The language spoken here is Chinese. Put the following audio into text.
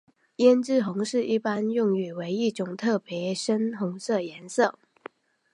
胭脂红是一般用语为一特别深红色颜色。